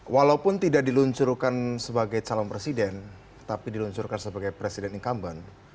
walaupun tidak diluncurkan sebagai calon presiden tapi diluncurkan sebagai presiden incumbent